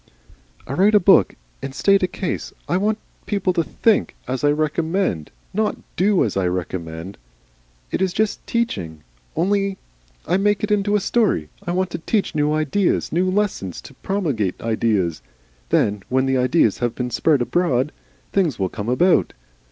"I write a book and state a case. I want people to THINK as I recommend, not to DO as I recommend. It is just Teaching. Only I make it into a story. I want to Teach new Ideas, new Lessons, to promulgate Ideas. Then when the Ideas have been spread abroad Things will come about.